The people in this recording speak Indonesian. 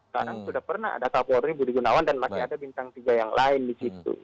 karena sudah pernah ada kapolri budi gunawan dan masih ada bintang tiga yang lain di situ